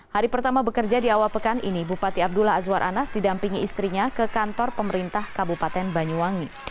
hari pertama bekerja di awal pekan ini bupati abdullah azwar anas didampingi istrinya ke kantor pemerintah kabupaten banyuwangi